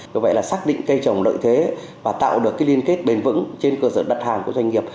do vậy là xác định cây trồng lợi thế và tạo được liên kết bền vững trên cơ sở đặt hàng của doanh nghiệp